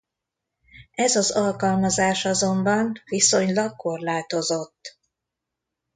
Ez az alkalmazás azonban viszonylag korlátozott.